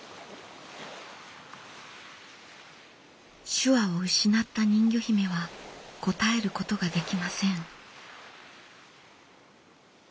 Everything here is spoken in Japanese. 手話を失った人魚姫は答えることができません。